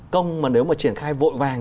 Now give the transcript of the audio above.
công mà nếu mà triển khai vội vàng